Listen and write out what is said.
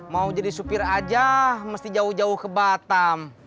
mau jadi supir aja mesti jauh jauh ke batam